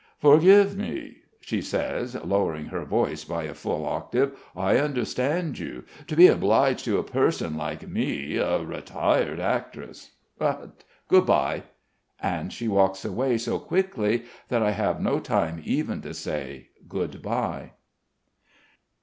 "Forgive me," she says lowering her voice by a full octave. "I understand you. To be obliged to a person like me ... a retired actress... But good bye." And she walks away so quickly that I have no time even to say "Good bye."